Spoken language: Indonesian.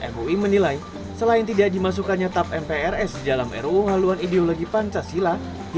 mui menilai selain tidak dimasukkan nyetap mprs dalam ruu haluan ideologi pancasila